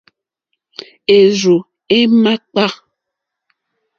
Érzù é màkpá.